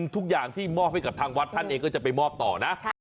ทุกอย่างที่มอบให้กับทางวัดท่านเองก็จะไปมอบต่อนะ